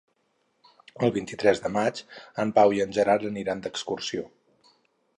El vint-i-tres de maig en Pau i en Gerard aniran d'excursió.